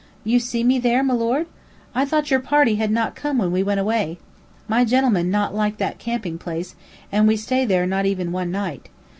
"You see me there, milord? I thought your party had not come when we went away. My gen'lemen not like that camping place, and we stay there not even one night.